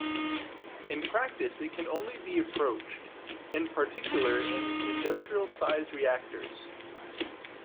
In practice it can only be approached, in particular in industrial size reactors.